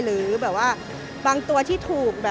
หรือบางตัวที่ถูก